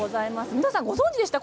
皆さんご存じでしたか？